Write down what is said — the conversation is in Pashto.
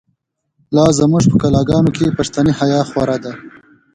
لازموږ په کلاګانو، پښتنی حیا خو ره ده